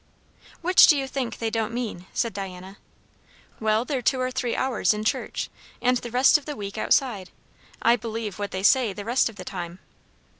"Which do you think they don't mean?" said Diana. "Well, they're two or three hours in church, and the rest of the week outside. I believe what they say the rest of the time."